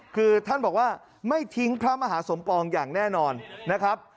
คือท่านบอกว่าไม่ทิ้งพระมหาสมปองอย่างแน่นอนนะครับ